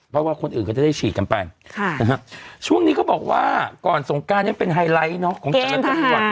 เพราะว่าคนอื่นก็จะได้ฉีดกันไปช่วงนี้ก็บอกว่าก่อนสงการยังเป็นไฮไลท์